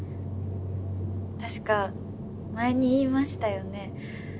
確か前に言いましたよね